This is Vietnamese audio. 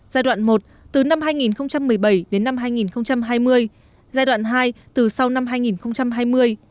giai đoạn một từ năm hai nghìn một mươi bảy đến năm hai nghìn hai mươi giai đoạn hai từ sau năm hai nghìn hai mươi